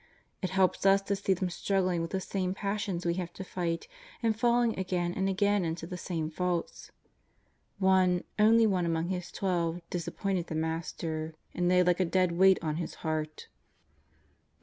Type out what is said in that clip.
It helps us to see them struggling with the same passions we have to fight, and falling again and again into the same faults. One, one only among His Twelve disappointed the Master and lay like a dead weight on His Heart, that 278 JESUS OF NAZAEETH.